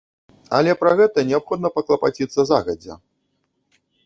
Але пра гэта неабходна паклапаціцца загадзя.